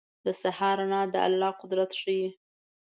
• د سهار رڼا د الله قدرت ښيي.